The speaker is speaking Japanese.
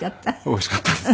おいしかったです。